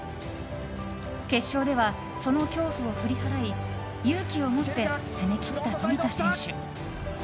決勝では、その恐怖を振り払い勇気を持って攻め切った冨田選手。